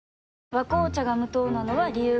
「和紅茶」が無糖なのは、理由があるんよ。